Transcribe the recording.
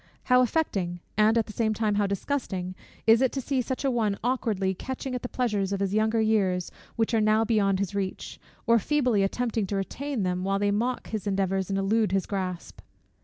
How affecting, and at the same time how disgusting, is it to see such an one awkwardly catching at the pleasures of his younger years, which are now beyond his reach; or feebly attempting to retain them, while they mock his endeavours and elude his grasp!